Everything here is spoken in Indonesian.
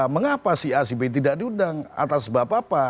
mengapa sih acb tidak diundang atas sebab apa